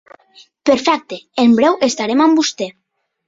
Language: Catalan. Perfecte, en breu estarem amb vostè.